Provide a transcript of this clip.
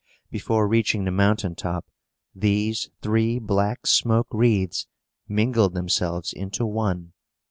Before reaching the mountain top, these three black smoke wreaths mingled themselves into one.